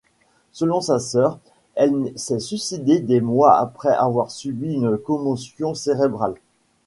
Selon sa sœur, elle s'est suicidée des mois après avoir subi une commotion cérébrale.